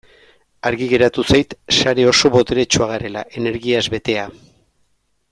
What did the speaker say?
Argi geratu zait sare oso boteretsua garela, energiaz betea.